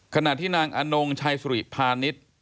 ขณะที่นางอนงชัยสุริพาณิชย์